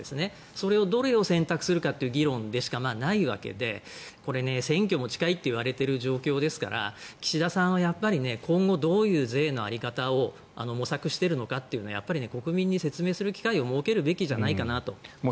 それをどれを選択するかという議論でしかないわけでこれ、選挙も近いといわれている状況ですから岸田さんはやっぱり今後、どういう税の在り方を模索しているのかというのをやっぱり国民に説明する機会を設けるべきじゃないかと。